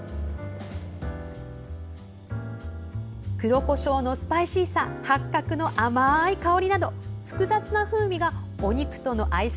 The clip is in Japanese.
黒こしょうのスパイシーさ八角の甘い香りなど複雑な風味がお肉との相性